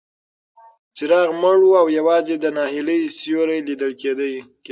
څراغ مړ و او یوازې د ناهیلۍ سیوري لیدل کېدل.